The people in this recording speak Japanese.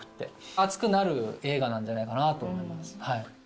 熱くなる映画なんじゃないかなとは思います。